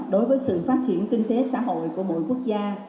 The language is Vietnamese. đối với sự phát triển kinh tế xã hội của mỗi quốc gia